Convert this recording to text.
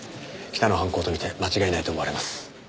北の犯行と見て間違いないと思われます。